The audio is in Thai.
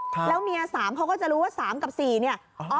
แล้วเมีย๓เขาก็จะรู้ว่า๓กับ๔เนี่ย